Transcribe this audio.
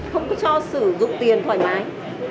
không có cho sử dụng tiền thoải mái